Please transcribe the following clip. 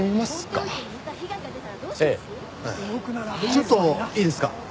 ちょっといいですか？